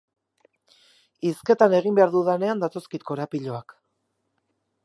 Hizketan egin behar dudanean datozkit korapiloak.